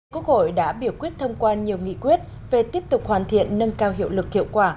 quốc hội đã biểu quyết thông qua nhiều nghị quyết về tiếp tục hoàn thiện nâng cao hiệu lực hiệu quả